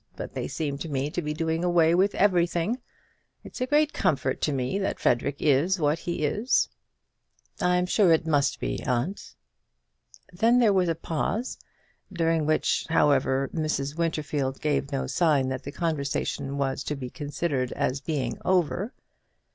But they seem to me to be doing away with everything. It's a great comfort to me that Frederic is what he is." "I'm sure it must be, aunt." Then there was a pause, during which, however, Mrs. Winterfield gave no sign that the conversation was to be considered as being over.